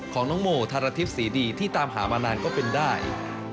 ของน้องโมธารทิพย์ศรีดีที่ตามหามานานก็เป็นได้